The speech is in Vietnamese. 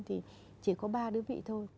thì chỉ có ba đứa vị thôi